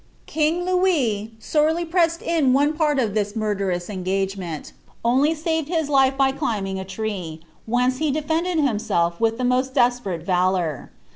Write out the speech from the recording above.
King Louis, sorely pressed iu one fwt of Ibis murderous engagement, only saved his life by climbing a tnv, whence he defended himself with the most desperate valour.'